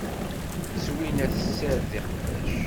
Zwina tessared iqbac.